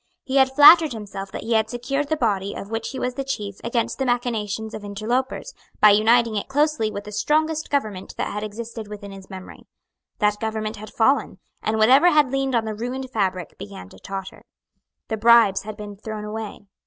He had flattered himself that he had secured the body of which he was the chief against the machinations of interlopers, by uniting it closely with the strongest government that had existed within his memory. That government had fallen; and whatever had leaned on the ruined fabric began to totter. The bribes had been thrown away.